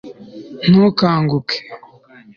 ntukanguke